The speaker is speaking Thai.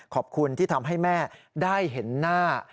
ขอบคุณที่ทำให้แม่ได้เห็นหน้า